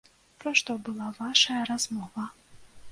Пра што была вашая размова?